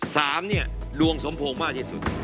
สามเนี่ยดวงสมพงษ์มากที่สุด